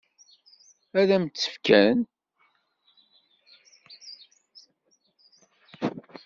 Ad m-tt-fken?